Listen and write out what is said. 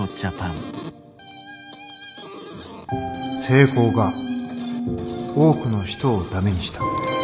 成功が多くの人を駄目にした。